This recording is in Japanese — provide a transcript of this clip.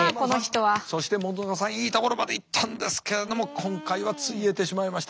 そして本さんいいところまでいったんですけれども今回はついえてしまいました。